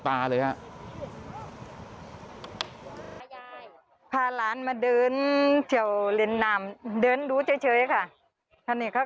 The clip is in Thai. พาหลานมาเดินเชี่ยวเล่นน้ำเดินดูเฉยค่ะ